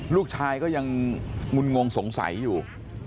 ลูกชายก็ยังงุนงงสงสัยอยู่